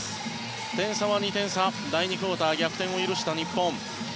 点差は２点差、第２クオーター逆転を許した日本。